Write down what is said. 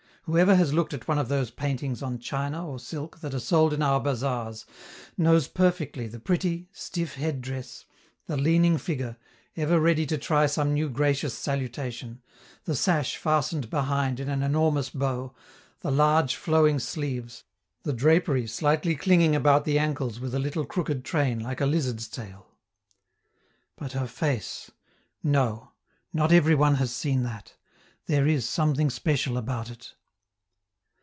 Whoever has looked at one of those paintings on china or silk that are sold in our bazaars, knows perfectly the pretty, stiff head dress, the leaning figure, ever ready to try some new gracious salutation, the sash fastened behind in an enormous bow, the large, flowing sleeves, the drapery slightly clinging about the ankles with a little crooked train like a lizard's tail. But her face no, not every one has seen that; there is something special about it.